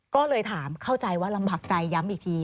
ก็เลยถามเข้าใจว่าลำบากใจย้ำอีกที